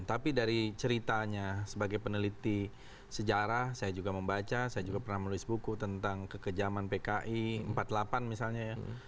tapi dari ceritanya sebagai peneliti sejarah saya juga membaca saya juga pernah menulis buku tentang kekejaman pki empat puluh delapan misalnya ya